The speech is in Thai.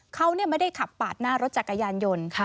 เขาไม่ได้ขับปาดหน้ารถจักรยานยนต์